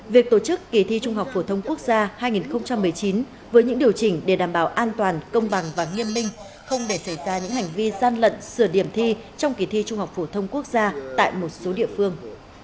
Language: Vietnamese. việc tổ chức kỳ thi trung học phổ thông quốc gia hai nghìn một mươi chín với những điều chỉnh để đảm bảo an toàn công bằng và nghiêm minh không để xảy ra những hành vi gian lận sửa điểm thi trong kỳ thi trung học phổ thông quốc gia tại một số địa phương